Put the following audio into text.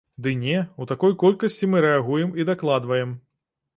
Ды не, у такой колькасці мы рэагуем і дакладваем.